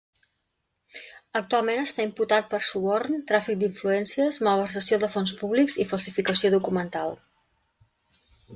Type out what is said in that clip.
Actualment està imputat per suborn, tràfic d'influències, malversació de fons públics i falsificació documental.